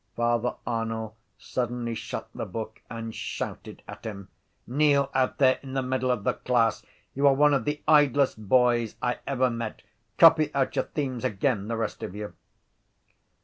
Father Arnall suddenly shut the book and shouted at him: —Kneel out there in the middle of the class. You are one of the idlest boys I ever met. Copy out your themes again the rest of you.